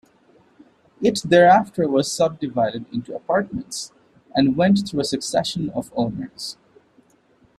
It thereafter was subdivided into apartments, and went through a succession of owners.